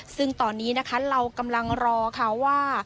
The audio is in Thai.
ซึ่งตอนนี้นะคะเรากำลังรอค่ะว่า